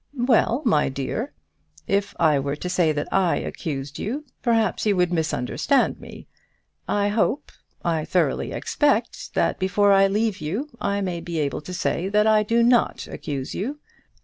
"Well, my dear, if I were to say that I accused you, perhaps you would misunderstand me. I hope I thoroughly expect, that before I leave you, I may be able to say that I do not accuse you.